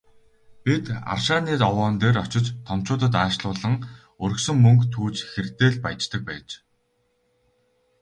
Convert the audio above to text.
Бид рашааны овоон дээр очиж томчуудад аашлуулан, өргөсөн мөнгө түүж хэрдээ л «баяждаг» байж.